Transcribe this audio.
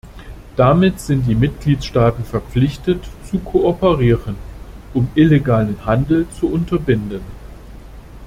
Damit sind die Mitgliedstaaten verpflichtet, zu kooperieren, um illegalen Handel zu unterbinden.